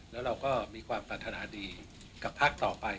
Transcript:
แล้วเราก็มีความปรารถนาดีกับพักต่อไป